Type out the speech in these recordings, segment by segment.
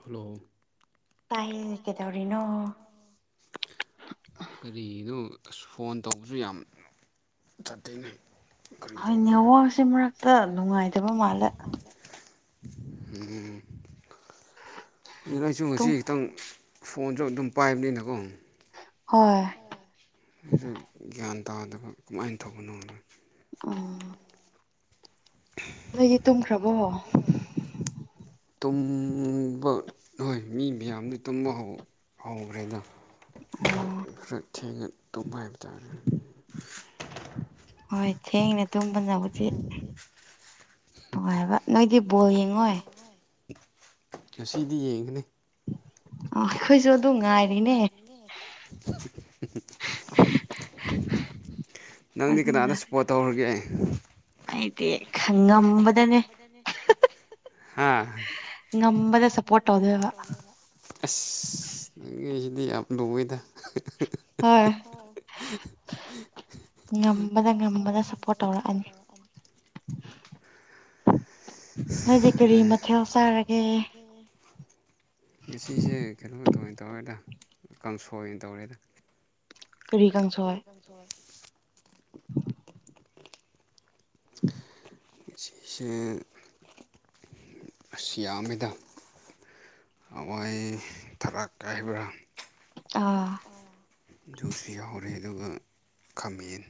hello ꯍ ꯇꯥꯏ ꯀꯦꯗꯧꯔꯤꯅꯣ [unintelligible] ꯀꯔꯤꯅꯣ ꯑꯁ ꯐꯣꯟ ꯇꯧꯕꯁꯨ ꯌꯥꯝ ꯆꯠꯇꯦꯡꯅꯦ ꯀꯔꯤꯅꯨꯡ ꯎꯝ ꯑꯗꯨꯅ ꯑꯩꯁꯨ ꯉꯁꯤ ꯈꯤꯇꯪ ꯐꯣꯟꯁꯨ ꯑꯗꯨꯝ ꯄꯥꯏꯕꯅꯤꯅꯀꯣ ꯍꯣꯏ ꯑꯩꯁꯨ ꯒ꯭ꯌꯥꯟ ꯇꯥꯗꯕ ꯀꯃꯥꯏꯅ ꯊꯧꯕꯅꯣꯅ ꯑꯣ ꯑꯗꯨꯗꯤ ꯇꯨꯝꯈ꯭ꯔꯕꯣ ꯇꯨꯝꯕ ꯍꯣꯏ ꯃꯤ ꯃꯌꯥꯝꯗꯨ ꯇꯨꯝꯕ ꯍꯧ ꯍꯧꯈ꯭ꯔꯦꯗ ꯈꯔ ꯊꯦꯡꯅ ꯇꯨꯝꯕ ꯍꯥꯏꯕ ꯇꯥꯔꯦ ꯊꯦꯡꯅ ꯇꯨꯝꯕꯅꯕꯨꯖꯤꯛ ꯅꯨꯡꯉꯥꯏꯕ ꯅꯣꯏꯗꯤ ꯕꯣꯜ ꯌꯦꯡꯉꯣꯏ ꯉꯗꯤ ꯌꯦꯡꯒꯅꯤ ꯑ ꯈꯣꯏꯁꯨ ꯑꯗꯨꯅꯨꯡꯉꯥꯏꯔꯤꯅꯦ ꯅꯪꯗꯤ ꯀꯅꯥꯗ ꯁꯞꯄꯣꯔꯠ ꯇꯧꯈ꯭ꯔꯒꯦ ꯑꯩ ꯑꯩꯗꯤ ꯈꯪꯉꯝꯕꯗꯅꯦ ꯍꯥꯥ ꯃꯝꯕꯗꯁ ꯄꯇꯣ ꯑꯗꯨꯕ ꯑꯁ ꯅꯪꯒꯤꯁꯤꯗꯤ ꯌꯥꯝ ꯂꯨꯉꯦꯗ ꯑꯣ ꯉꯝꯕꯗ ꯉꯝꯕꯗ ꯁꯞꯄꯣꯔꯠ ꯇꯧꯔꯛꯑꯅꯤ ꯁꯤꯁꯦ ꯀꯩꯅꯣ ꯇꯅ ꯇꯧꯔꯦꯗ ꯀꯥꯡꯁꯣꯏ ꯑꯣꯏꯅ ꯇꯧꯔꯦꯗ ꯀ ꯀꯝ ꯁꯉ ꯁꯤꯁꯦ ꯑꯁꯤ ꯌꯥꯝꯃꯤꯗ ꯑꯩꯣꯏ ꯊꯔꯛꯀꯦ ꯍꯥꯏꯕ꯭ꯔꯥ ꯑꯥ ꯑꯗꯨꯁꯨ ꯌꯥꯎꯍꯧꯔꯦ ꯑꯗꯨꯒ ꯈꯥꯃꯦꯟ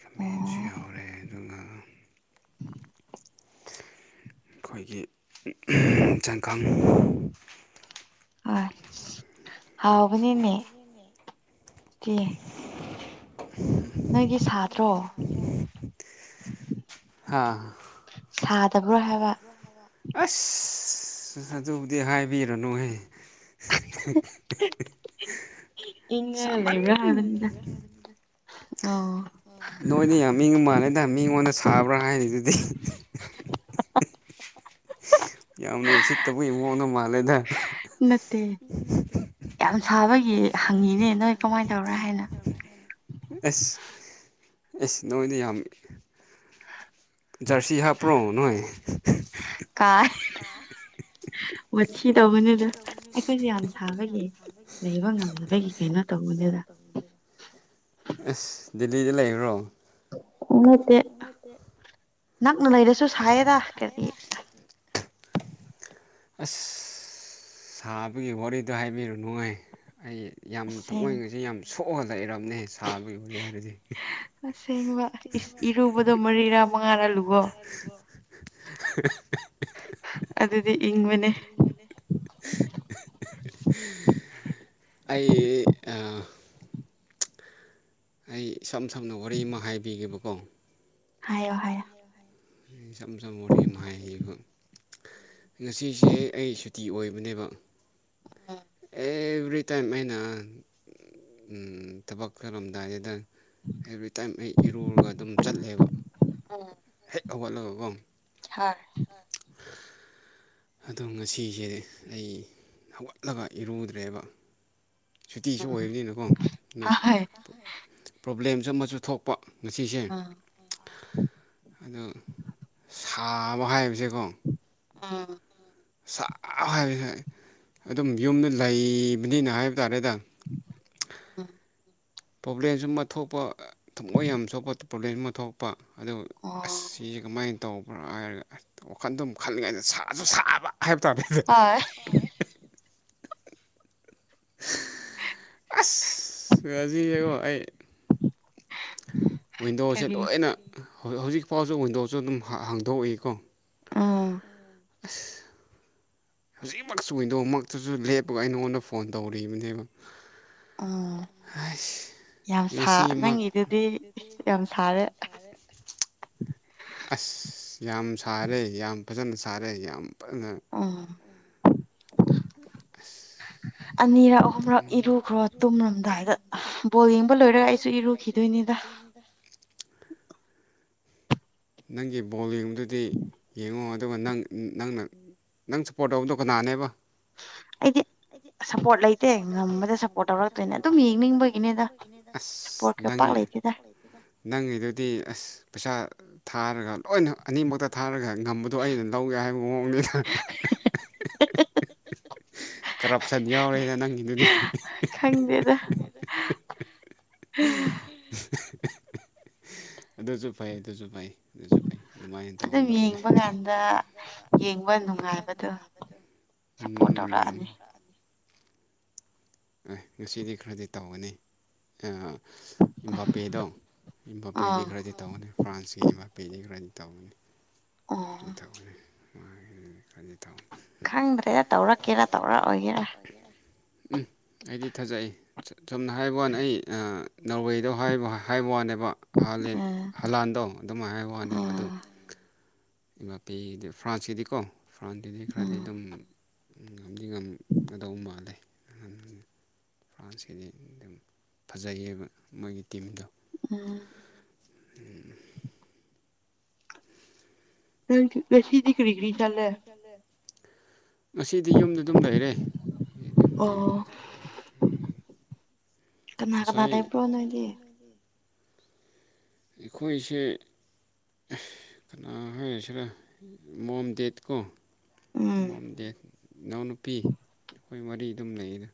ꯈꯃꯦꯟꯁꯨ ꯌꯥꯎꯔꯦ ꯑꯗꯨꯒ ꯑꯩꯈꯣꯏꯒꯤ ꯆꯥꯡꯈꯪ ꯑ ꯍꯥꯎꯕꯅꯤꯅꯦ ꯅꯪꯒꯤ ꯁꯥꯇ꯭ꯔꯣ ꯁꯥ ꯑꯁ ꯑꯗꯨꯕꯨꯗꯤ ꯍꯥꯏꯕꯤꯔꯨꯅꯨꯍ [unintelligible] ꯁꯃ ꯅꯣꯏꯗꯤ ꯌꯥꯝ ꯃꯤꯉ ꯃꯥꯜꯂꯦꯗ ꯃꯤꯉꯣꯟꯗ ꯁꯥꯕ꯭ꯔꯥ ꯍꯥꯏꯔꯤꯗꯨꯗꯤ ꯌꯥꯝꯅ ꯎꯁꯤꯠꯇꯕꯨ ꯏꯃꯨꯡꯅ ꯃꯥꯜꯂꯦꯗ ꯅꯠꯇꯦ ꯌꯥꯝ ꯁꯥꯕꯒꯤ ꯍꯪꯉꯤꯅꯦ ꯅꯣꯏ ꯀꯃꯥꯏꯅ ꯇꯧꯔꯥ ꯍꯥꯏꯅ ꯑꯦꯁ ꯑꯦꯁ ꯅꯣꯡꯃꯣꯏꯗ ꯌꯥꯝꯃꯤ ꯖꯔꯁꯤ ꯍꯥꯞꯄ꯭ꯔꯣ ꯅꯣꯏ ꯃꯊꯤ ꯇꯧꯕꯅꯤꯗ ꯑꯩꯈꯣꯏꯁꯦ ꯌꯥꯝ ꯁꯥꯕꯒꯤ ꯂꯩꯕ ꯉꯝꯅꯕꯒꯤ ꯀꯩꯅꯣ ꯇꯧꯕꯅꯤꯗ ꯑꯁ ꯗꯦꯜꯂꯤꯗ ꯂꯩꯈ꯭ꯔꯣ ꯑꯉꯛꯇꯦ ꯅꯛꯅ ꯂꯩꯔꯁꯨ ꯁꯥꯏꯌꯦꯔ ꯀꯔꯤ ꯑꯁ ꯁꯥꯕꯒꯤ ꯋꯥꯔꯤꯗꯣ ꯍꯥꯏꯕꯤꯔꯨ ꯅꯨꯡꯉꯥꯏ ꯑꯩ ꯌꯥꯝ ꯊꯃꯣꯏꯉꯁꯤꯦ ꯌꯥꯝ ꯁꯣꯛꯑꯗ ꯏꯔꯕꯅꯦ ꯑꯁꯦꯡꯕ ꯏꯔꯨꯕꯗꯣ ꯃꯔꯤꯔꯥ ꯃꯉꯥꯅ ꯂꯨ ꯑꯗꯤ ꯏꯪ ꯃꯅꯦ ꯑꯩ ꯑꯩ ꯏꯁꯝ ꯁꯝꯅ ꯋꯥꯔꯤ ꯑꯃ ꯍꯥꯏꯕꯤꯒꯦꯕꯀꯣ ꯍꯥꯏꯣ ꯍꯥꯏ ꯆ ꯁ ꯃꯨꯍꯤ ꯃꯍꯥꯏ ꯉꯁꯤꯁꯦ ꯑꯩ ꯁꯨꯇꯤ ꯑꯣꯏꯕꯅꯦꯕ ꯑꯦꯕ꯭ꯔꯤꯇꯥꯏꯝ ꯑꯩꯅ ꯊꯕꯛ ꯈꯔꯣꯝꯗꯥꯏꯗꯨꯗ ꯑꯦꯕ꯭ꯔꯤꯇꯥꯏꯝ ꯑꯩ ꯏꯔꯨꯔꯒ ꯑꯗꯨꯝ ꯆꯠꯂꯦꯕ ꯑꯋꯥꯠꯂ ꯍꯥꯥ ꯑꯗꯣ ꯉꯁꯤꯁꯦ ꯑꯩ ꯍꯧꯒꯠꯂꯒ ꯏꯔꯨꯗ꯭ꯔꯦꯕ ꯁꯨꯇꯤꯁꯨ ꯑꯣꯏꯕꯅꯤꯅꯀꯣ ꯑ ꯄ꯭ꯔꯣꯕ꯭ꯂꯦꯝꯁꯨ ꯑꯃꯁꯨ ꯊꯣꯛꯄ ꯉꯁꯤꯁꯦ ꯑꯗꯣ ꯊꯥꯕ ꯍꯥꯏꯕꯁꯦꯀꯣ ꯑꯥ ꯁ ꯍꯥꯏꯕ ꯑꯗꯨꯝ ꯌꯨꯝꯗ ꯂꯩꯕꯅꯤꯅ ꯍꯥꯏꯕ ꯇꯥꯔꯦꯗ ꯎꯝ ꯄ꯭ꯔꯣꯕ꯭ꯂꯦꯝꯁꯤ ꯑꯃ ꯊꯣꯛꯄ ꯊꯃꯣꯏ ꯌꯥꯝ ꯁꯣꯛꯄ ꯄ꯭ꯔꯣꯕ꯭ꯂꯦꯝꯁꯨ ꯑꯃ ꯊꯣꯛꯄ ꯑꯗꯨ ꯑꯁ ꯁꯤꯁꯦ ꯀꯃꯥꯏꯅ ꯇꯧꯕ꯭ꯔ ꯍꯥꯏꯔꯒ ꯑꯁ ꯋꯥꯈꯟꯗꯣꯝ ꯈꯜꯂꯤꯉꯩꯗ ꯁꯥꯁꯨ ꯁꯥꯕ ꯍꯥꯏꯕ ꯇꯥꯔꯦꯦ ꯑꯁ ꯉꯖꯤꯁꯦꯀꯣ ꯑꯩ ꯋꯤꯟꯗꯣꯁꯦ ꯂꯣꯏꯅꯛ ꯍꯧꯖꯤꯛ ꯐꯥꯎꯁꯨ ꯋꯤꯟꯗꯣꯁꯨ ꯑꯗꯨꯝ ꯍꯥꯡꯗꯣꯛꯏꯀꯣ ꯑꯥ [unintelligible] ꯍꯧꯖꯤꯛꯃꯛꯁꯨꯗꯧ ꯃꯛꯇꯨꯁꯨ ꯂꯦꯞꯄꯒ ꯑꯩ ꯅꯉꯣꯟꯗ ꯐꯣꯟ ꯇꯧꯔꯤꯕꯅꯦꯕ ꯑꯥ ꯑꯁ ꯉꯁꯤ ꯃ ꯑꯁ ꯌꯥꯝ ꯁꯥꯔꯦ ꯌꯥꯝ ꯐꯖꯅ ꯁꯥꯔꯦ ꯌꯥꯝ ꯐꯖꯅ [unintelligible] ꯑꯅꯤꯔꯛ ꯑꯍꯨꯝꯔꯛ ꯏꯔꯨꯈ꯭ꯔꯣ ꯇꯨꯝꯔꯝꯗꯥꯏꯗ ꯕꯣꯜ ꯌꯦꯡꯕ ꯂꯣꯏꯔꯒ ꯑꯩꯁꯨ ꯏꯔꯨꯈꯤꯗꯣꯏꯅꯤꯗ ꯗ ꯅꯪꯒꯤ ꯕꯣꯜ ꯌꯦꯡꯗꯨꯗꯤ ꯌꯦꯡꯉꯣ ꯑꯗꯨꯒ ꯅꯪ ꯅꯪꯅ ꯅꯪ ꯁꯞꯄꯣꯔꯠ ꯇꯧꯕꯗꯣ ꯀꯅꯥꯅꯦꯕ ꯑꯩꯗꯤ ꯁꯞꯄꯣꯔꯠ ꯂꯩꯇꯦ ꯉꯝꯕꯗ ꯁꯞꯄꯣꯔꯠ ꯇꯧꯔꯛꯇꯣꯏꯅꯦ ꯑꯗꯨꯝ ꯌꯦꯡꯅꯤꯡꯕꯒꯤꯅꯦꯗ ꯁꯞꯄꯣꯔꯠ ꯀꯥ ꯄꯥꯛ ꯂꯩꯇꯦꯗ ꯅꯪꯒꯤꯗꯨꯗꯤ ꯑꯁ ꯄꯩꯁꯥ ꯊꯥꯔꯒ ꯂꯣꯏꯅ ꯑꯅꯤꯃꯛꯇ ꯊꯥꯔꯒ ꯉꯝꯕꯗꯣ ꯑꯩꯅ ꯂꯧꯒꯦ ꯍꯥꯏꯕ ꯃꯑꯣꯡꯅꯤꯅ ꯀꯔꯞ ꯌꯥꯎꯔꯦꯗ ꯅꯪꯒꯤꯗꯨꯗꯤ ꯑꯗꯨꯁꯨ ꯐꯩ ꯑꯗꯨꯁꯨ ꯐꯩ ꯑꯗꯨꯁꯨ ꯐꯩ ꯑꯗꯨꯃꯥꯏꯅ ꯇꯧꯒꯗꯧꯕꯅꯦ ꯎꯝ ꯑ ꯉꯁꯤꯗꯤ ꯈꯔꯗꯤ ꯇꯧꯒꯅꯤ ꯑꯥ ꯑꯥ ꯏꯝꯕꯥꯄꯦꯗꯣ ꯏꯝꯕꯥꯄꯦꯗꯤ ꯈꯔꯗꯤ ꯇꯧꯒꯅꯤ ꯐ꯭ꯔꯥꯟꯁꯀꯤ ꯏꯝꯚꯥꯄꯦꯗꯤ ꯈꯔꯗꯤ ꯇꯧꯅꯤ [inaudible] ꯈꯪꯕꯗꯩꯗ ꯇꯧꯔꯛꯀꯦꯔꯥ ꯇꯧꯔꯛꯑꯣꯏꯒꯦꯔꯥ ꯎꯝ ꯑꯩꯗꯤ ꯊꯥꯖꯩ ꯁꯨꯝꯅ ꯍꯥꯏꯕ ꯋꯥꯅꯤ ꯑꯩ ꯅꯥꯎꯋꯦꯗ ꯍꯥꯏꯕ ꯋꯥꯅꯦꯕ ꯍꯂꯥꯟꯗꯣ ꯑꯗꯨꯝꯥꯏ ꯍꯥꯏꯕ ꯋꯥꯅꯦꯕ ꯏꯃꯄꯤꯒꯤꯗꯤ ꯐ꯭ꯔꯥꯟꯁꯀꯤꯗꯤꯀꯣ ꯐ꯭ꯔꯥꯟꯁꯀꯤꯗꯤ ꯈꯔꯗꯤ ꯑꯗꯨꯝ ꯉꯗꯤ ꯉꯝꯒꯗꯧꯕ ꯃꯥꯜꯂꯦ ꯐ꯭ꯔꯥꯟꯁꯀꯤꯗꯤ ꯑꯗꯨꯝ ꯐꯖꯩꯌꯦꯕ ꯃꯣꯏꯒꯤ ꯇꯤꯝꯗꯣ ꯎꯝ ꯉꯁꯤꯗꯤ ꯀꯔꯤ ꯀꯔꯤ ꯆꯥꯔꯦ ꯉꯁꯤꯗꯤ ꯌꯨꯝꯗ ꯑꯗꯨꯝ ꯂꯩꯔꯦ ꯀꯅꯥ ꯀꯅꯥ ꯂꯩꯕ꯭ꯔꯣ ꯅꯣꯏꯗꯤ ꯑꯩꯈꯣꯏꯁꯦ ꯑꯁ ꯀꯅꯥ ꯍꯥꯏꯁꯤꯔ ꯃꯣꯝ ꯗꯦꯠꯀꯣ ꯇꯝꯗꯦ ꯏꯅꯥꯎꯅꯨꯄꯤ ꯑꯩꯈꯣꯏ ꯋꯥꯔꯤ ꯑꯗꯨꯝ ꯂꯩꯌꯦꯗ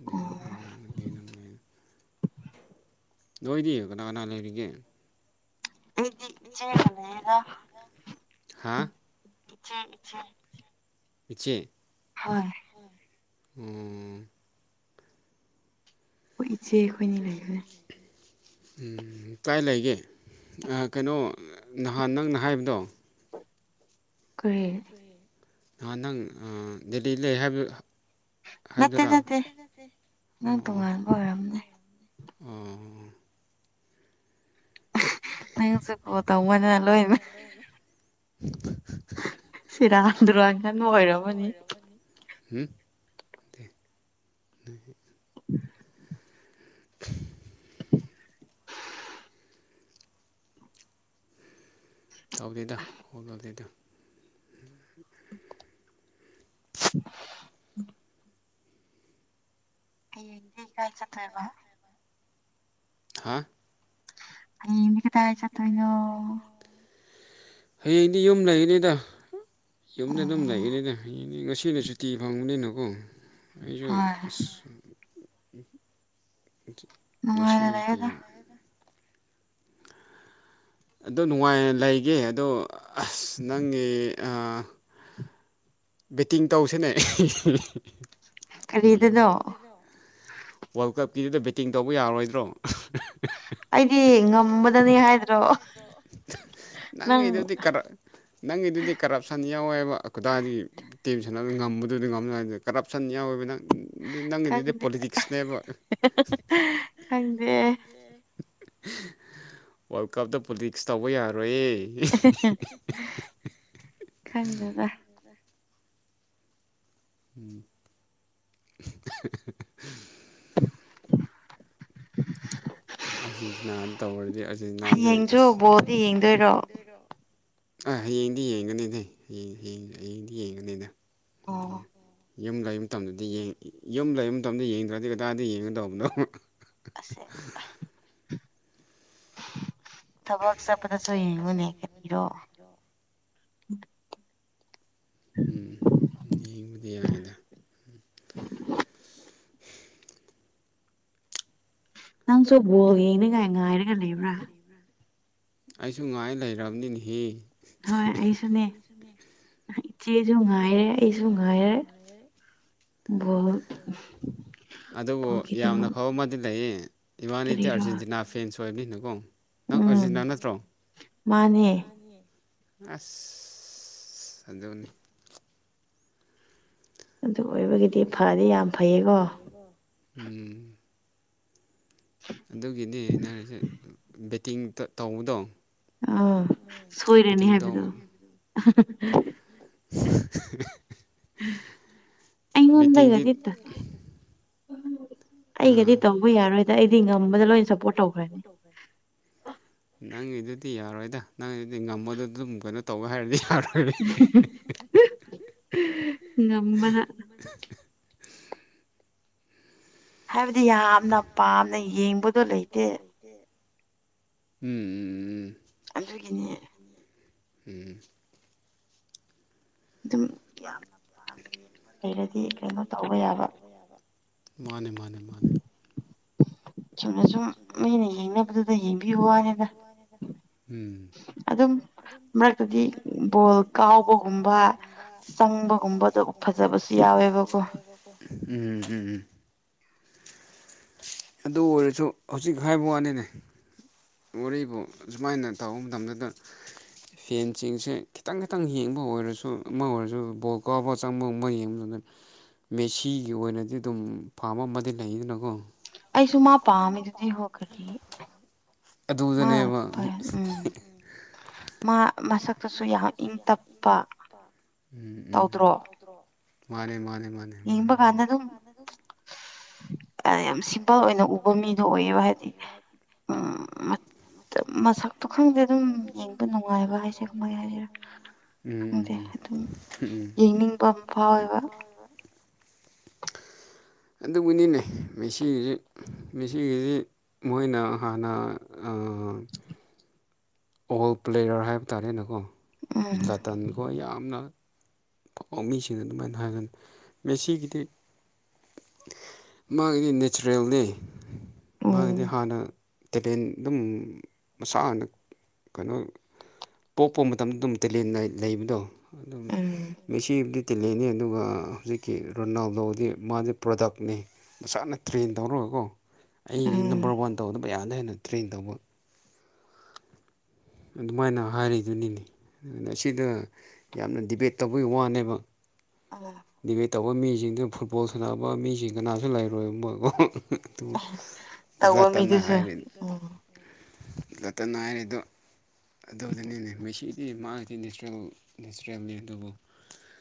[unintelligible] ꯅꯣꯏꯗꯤ ꯀꯅꯥ ꯀꯅꯥ ꯂꯩꯔꯤꯒꯦ ꯈꯣꯏꯗꯤ ꯏꯆꯦꯒ ꯂꯩꯌꯦꯗ ꯏꯆꯦ ꯏꯆꯦ ꯏꯆꯦ ꯍꯣꯏ ꯎꯝ ꯏꯆꯦ ꯑꯩꯈꯣꯏꯅꯤ ꯂꯩꯈ꯭ꯔꯦ ꯎꯝ ꯀꯥꯏ ꯂꯩꯒꯦ ꯑ ꯀꯩꯅꯣ ꯅꯍꯥꯟ ꯅꯪꯅ ꯍꯥꯏꯕꯗꯣ ꯀꯔꯤ ꯅꯍꯥꯟ ꯅꯪ ꯑ ꯗꯦꯜꯂꯤ ꯂꯩ ꯍꯥꯏꯕ ꯅꯠꯇꯦ ꯅꯠꯇꯦ ꯅꯣꯏꯉꯥꯟꯕ ꯑꯣꯏꯔꯝꯅꯤ ꯑꯣ ꯅꯪꯁꯨ ꯀꯣꯜ ꯇꯧꯕꯗ ꯂꯣꯏꯅ [unintelligible] ꯁꯤꯔꯥꯟ ꯗꯨꯔꯥꯟ ꯈꯟꯕ ꯑꯣꯏꯔꯝꯃꯅꯤ ꯍꯝ [unintelligible] ꯇꯧꯗꯦꯗ [unintelligible] ꯍꯌꯦꯡꯗꯤ ꯀꯥꯏ ꯆꯠꯇꯣꯏꯕꯥ ꯍꯥ ꯍꯌꯦꯡꯗꯤ ꯀꯗꯥꯏ ꯆꯠꯇꯣꯏꯅꯣ ꯍꯌꯦꯡꯗꯤ ꯌꯨꯝ ꯂꯩꯅꯤꯗ ꯌꯨꯝꯗ ꯑꯗꯨꯝ ꯂꯩꯅꯤꯗ ꯉꯁꯤꯅ ꯁꯨꯇꯤ ꯐꯪꯕꯅꯤꯅꯀꯣ ꯑꯩꯁꯨ ꯑꯁ ꯉꯁꯤꯗꯤ ꯑꯗꯣ ꯅꯨꯡꯉꯥꯏꯅ ꯂꯩꯒꯦ ꯑꯗꯣ ꯑꯁ ꯅꯪꯒꯤ ꯑ ꯕꯦꯠꯇꯤꯡ ꯇꯧꯁꯤꯅꯦ ꯋꯥꯔꯜ ꯀꯞꯀꯤꯗꯨꯗ ꯕꯦꯠꯇꯤꯡ ꯇꯧꯕ ꯌꯥꯔꯣꯏꯗ꯭ꯔꯣ ꯑꯩꯗꯤ ꯉꯝꯕꯗꯅꯦ ꯍꯥꯏꯗ꯭ꯔꯣ ꯅꯪꯒꯤꯗꯨꯗꯤ ꯀꯔꯞ ꯅꯪꯒꯤꯗꯨꯗꯤ ꯀꯔꯞꯁꯟ ꯌꯥꯎꯋꯦꯕ ꯀꯗꯥꯏꯗꯤ ꯇꯦꯝ ꯁꯥꯟꯅꯕ ꯉꯝꯕꯗꯨꯗꯤ ꯉꯝꯅꯕꯉ ꯍꯥꯏꯗꯅ ꯀꯔꯞꯁꯟ ꯌꯥꯎꯋꯦꯕ ꯅꯪ ꯎꯝ ꯅꯪꯒꯤꯗꯨꯗꯤ ꯄꯣꯂꯤꯇꯤꯛꯁꯅꯦꯕ ꯋꯥꯔꯜ ꯀꯞꯇ ꯄꯣꯂꯤꯇꯤꯛꯁ ꯇꯧꯕ ꯌꯥꯔꯣꯏꯌꯦ ꯏꯍꯤꯍꯤꯍꯤꯍꯤ ꯏꯍꯝꯍꯝꯍꯝ ꯑꯟꯑꯣꯗꯤꯕꯜ ꯑꯥꯔꯖꯦꯟꯇꯤꯅꯥꯅ ꯇꯧꯔꯗꯤ ꯑꯔꯖꯦꯟꯅꯥꯗꯤ ꯑꯁ ꯑ ꯍꯌꯦꯡꯗꯤ ꯌꯦꯡꯒꯅꯤꯅꯦ ꯍꯌꯦꯡ ꯍꯌꯦꯡ ꯍꯌꯦꯡꯗꯤ ꯌꯦꯡꯒꯅꯤꯗ ꯌꯨꯝ ꯂꯩꯕ ꯃꯇꯝꯗꯗꯤ ꯌꯦꯡ ꯌꯨꯝ ꯂꯩꯕ ꯃꯇꯝꯗ ꯌꯦꯡꯗ꯭ꯔꯗꯤ ꯀꯗꯥꯏꯗ ꯌꯦꯡꯒꯗꯧꯕꯅꯣ ꯑꯁꯦ ꯑ ꯊꯕꯛ ꯆꯠꯄꯗꯁꯨ ꯌꯦꯡꯉꯨꯅꯦ ꯀꯔꯤꯔꯣ ꯎꯝ ꯃꯤꯕꯨꯗꯤ ꯌꯥꯥꯏꯗ ꯅꯪꯁꯨ ꯕꯣꯜ ꯌꯦꯡꯅꯤꯡꯉꯥꯏ ꯉꯥꯏꯔꯒ ꯂꯩꯕ꯭ꯔꯥ ꯑꯩꯁꯨ ꯉꯥꯏ ꯂꯩꯔꯕꯅꯤꯟꯍꯦ ꯍꯣꯏ ꯑꯩꯁꯨꯅꯦ ꯏꯆꯦꯁꯨ ꯉꯥꯏꯔꯦ ꯑꯩꯁꯨ ꯉꯥꯏꯔꯦ ꯕꯣꯜ ꯑꯝꯍꯝ ꯕꯣꯜꯒꯤꯗꯃꯛ ꯏꯃꯥꯗꯤ ꯑꯥꯔꯖꯦꯟꯇꯤꯅꯥ ꯐꯦꯟꯁ ꯑꯣꯏꯕꯅꯤꯅꯀꯣ ꯎꯝ ꯃꯥꯅꯦ ꯑꯁ ꯑꯗꯨꯅꯤ ꯑꯗꯨ ꯑꯣꯏꯕꯒꯤꯗꯤ ꯐꯗꯤ ꯌꯥꯝ ꯐꯩꯌꯦꯀꯣ ꯎꯝ ꯑꯗꯨꯒꯤꯅꯦꯅꯔꯁꯦ ꯕꯦꯠꯇꯤꯡ ꯇꯧꯕꯗꯣ ꯑꯥ ꯁꯣꯏꯔꯅꯤ ꯍꯥꯏꯕꯗꯣ [inaudible] ꯑꯩꯉꯣꯟꯗꯒꯗꯤꯠꯇ ꯑꯩꯒꯗꯤ ꯇꯧꯕ ꯌꯥꯔꯣꯏꯗ ꯑꯩꯗꯤ ꯉꯝꯕꯗ ꯂꯣꯏ ꯁꯞꯄꯣꯔꯠ ꯇꯧꯈ꯭ꯔꯅꯤ ꯅꯪꯒꯤꯗꯨꯗꯤ ꯌꯥꯔꯣꯏꯗ ꯅꯪꯗꯤ ꯉꯝꯕꯗ ꯑꯗꯨꯝ ꯀꯩꯅꯣ ꯇꯧꯕ ꯍꯥꯏꯔꯗꯤ ꯊꯔ [unintelligible] ꯍꯥꯏꯕꯗꯤ ꯌꯥꯝꯅ ꯄꯥꯝꯅ ꯌꯦꯡꯕꯗꯣ ꯂꯩꯇꯦ ꯎꯝ ꯎꯝ ꯑꯗꯨꯒꯤꯅꯦ ꯎꯝ ꯑꯗꯨꯝ ꯌꯥꯝꯅ ꯄꯥꯝ ꯂꯩꯔꯗꯤ ꯀꯩꯅꯣ ꯇꯧꯕ ꯌꯥꯕ ꯃꯥꯅꯦ ꯃꯥꯅꯦ ꯃꯥꯅꯦ ꯎꯝ ꯑꯗꯨꯝ ꯃꯔꯛꯇꯗꯤ ꯕꯣꯜ ꯀꯥꯎꯕꯒꯨꯝꯕ ꯆꯪꯕꯒꯨꯝꯕꯗꯣ ꯐꯖꯕꯁꯨ ꯎꯝ ꯎꯝ ꯑꯗꯨ ꯑꯣꯏꯔꯁꯨ ꯍꯧꯖꯤꯛ ꯍꯥꯏꯕ ꯋꯥꯅꯤꯅꯦ ꯋꯥꯔꯤꯕꯨ ꯁꯨꯃꯥꯏꯅ ꯇꯧꯕ ꯃꯇꯝꯗꯨꯗ ꯐꯦꯟꯁꯤꯡꯁꯦ ꯈꯤꯇꯪ ꯈꯤꯇꯪ ꯌꯦꯡꯕ ꯑꯣꯏꯔꯁꯨ ꯑꯃ ꯑꯣꯏꯔꯁꯨ ꯕꯣꯜ ꯀꯥꯕ ꯆꯪꯕꯒꯨꯝꯕ ꯌꯦꯡꯕꯗꯨ ꯅꯠꯇ ꯃꯦꯁꯤꯒꯤ ꯑꯣꯏꯅꯗꯤ ꯑꯗꯨꯝ ꯐꯥꯝ ꯑꯃꯗꯤ ꯂꯩꯗꯅꯀꯣ ꯑꯩꯁꯨ ꯃꯥ ꯄꯥꯝꯃꯤꯗꯨꯗꯤ ꯍꯣꯈꯔꯤ ꯃꯥꯅ ꯑꯗꯨꯄ ꯎꯝ ꯃꯁꯛꯇꯁꯨ ꯌꯥꯝ ꯏꯪ ꯇꯞꯄ ꯇꯧꯗ꯭ꯔꯣ ꯃꯥꯅꯦ ꯃꯥꯅꯦ ꯌꯦꯡꯕ ꯀꯥꯟꯗ ꯑꯗꯨꯝ ꯌꯥꯝ ꯁꯤꯝꯄꯜ ꯑꯣꯏꯅ ꯎ ꯃꯤꯗꯣ ꯑꯣꯏꯌꯦꯕ ꯍꯥꯏꯗꯤ ꯎꯝ ꯃꯁꯛꯇꯣ ꯈꯪꯗꯦ ꯑꯗꯨꯝ ꯌꯦꯡꯕ ꯅꯨꯡꯉꯥꯏꯕ ꯍꯥꯏꯁꯦ ꯀꯃꯥꯏ ꯍꯥꯏꯁꯤꯔ ꯈꯪꯗꯦ ꯑꯗꯨꯝ ꯌꯦꯡꯅꯤꯡꯕ ꯑꯃ ꯐꯥꯎꯌꯦꯕ ꯑꯗꯨꯕꯨꯅꯤꯅꯦ ꯃꯁꯤ ꯃꯤꯁꯤꯒꯤꯁꯤ ꯃꯣꯏꯅ ꯍꯥꯟꯅ ꯑꯣꯜ ꯄ꯭ꯂꯦꯌꯔ ꯍꯥꯏꯕ ꯇꯥꯔꯦꯅꯦꯀꯣ ꯂꯇꯟꯀꯣ ꯌꯥꯝꯅ ꯄꯥꯎꯃꯤꯁꯤꯡꯅ ꯑꯗꯨꯃꯥꯏꯅ ꯍꯥꯏꯒꯅꯤ ꯃꯦꯁꯤꯒꯤꯗꯤ ꯃꯥꯒꯤꯗꯤ ꯅꯦꯆꯔꯦꯜꯅꯤ ꯃꯥꯒꯤꯗꯤ ꯍꯥꯟꯅ ꯇꯦꯂꯦꯟ ꯑꯗꯨꯝ ꯃꯁꯥ ꯍꯥꯟꯅ ꯀꯩꯅꯣ ꯄꯣꯛꯄ ꯃꯇꯝꯗ ꯑꯗꯨꯝ ꯇꯦꯂꯦꯟ ꯂꯩꯕꯗꯣ ꯑꯗꯨꯝ ꯄꯤꯕꯨꯗꯤ ꯇꯤꯜꯂꯤꯅꯤ ꯑꯗꯨꯒ ꯍꯧꯖꯤꯛꯀꯤ ꯔꯣꯅꯥꯜꯗꯣꯗꯤ ꯃꯥꯗꯤ ꯄ꯭ꯔꯗꯛꯅꯤ ꯃꯁꯥꯅ ꯇ꯭ꯔꯦꯟ ꯇꯧꯔꯒꯀꯣ ꯑꯩꯁꯦ ꯅꯝꯕꯔ ꯋꯥꯟ ꯇꯧꯒꯗꯕ ꯌꯥꯗ ꯍꯦꯟꯅ ꯇ꯭ꯔꯦꯟ ꯇꯧꯕ ꯑꯗꯨꯃꯥꯏꯅ ꯍꯥꯏꯔꯤꯗꯨꯅꯤꯅꯦ ꯑꯗꯨꯅ ꯑꯁꯤꯗ ꯌꯥꯝꯅ ꯗꯤꯕꯦꯠ ꯇꯧꯕꯒꯤ ꯋꯥꯅꯦꯕ ꯗꯤꯕꯦꯠ ꯇꯧꯕ ꯃꯤꯁꯤꯡꯗꯨꯅ ꯐꯨꯠꯕꯣꯜ ꯁꯥꯟꯅꯕ ꯃꯤꯁꯤꯡ ꯀꯅꯥꯁꯨ ꯂꯩꯔꯣꯏꯕꯣꯏꯣ ꯑꯗꯨ ꯂꯥ ꯇꯅ ꯍꯥꯏꯔꯤ [inaudible] ꯂꯇꯟ ꯍꯥꯏꯔꯤꯗꯣ ꯑꯗꯨꯗꯨꯅꯤꯅꯦ ꯃꯁꯤ ꯑꯦ ꯃꯥꯒꯤꯗꯤ ꯅꯦꯆꯔꯦꯜ ꯅꯦꯆꯔꯦꯜꯅꯤ ꯑꯗꯨꯕꯨ